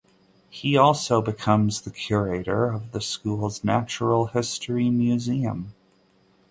He also becomes curator of the school's natural history museum.